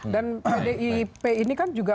dan pdip ini kan juga